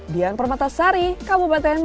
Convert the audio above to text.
dian permatasari kabupaten bunga